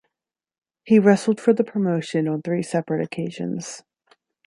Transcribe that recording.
He wrestled for the promotion on three separate occasions.